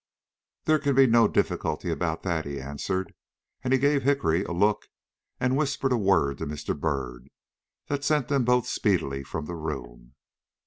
"There can be no difficulty about that," he answered; and he gave Hickory a look, and whispered a word to Mr. Byrd, that sent them both speedily from the room.